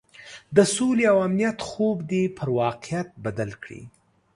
د سولې او امنیت خوب دې پر واقعیت بدل کړي.